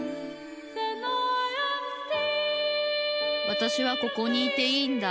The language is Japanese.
わたしはここにいていいんだ